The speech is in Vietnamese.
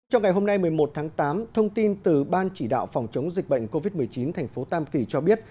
trong ngày hôm nay một mươi một tháng tám thông tin từ ban chỉ đạo phòng chống dịch bệnh covid một mươi chín thành phố tam kỳ cho biết